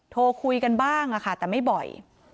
โทรคุยกันบ้างค่ะแต่ไม่บ่อย